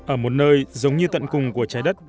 ở một nơi giống như tận cùng của trái đất